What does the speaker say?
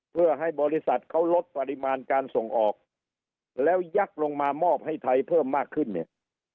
เพื่อให้บริษัทเขาลดปริมาณการส่งออกแล้วยักษ์ลงมามอบให้ไทยเพิ่มมากขึ้นเนี่ย